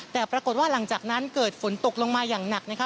แต่ปรากฏว่าหลังจากนั้นเกิดฝนตกลงมาอย่างหนักนะคะ